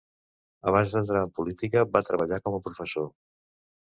Abans d'entrar en política, va treballar com a professor.